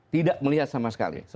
tidak melihat sama sekali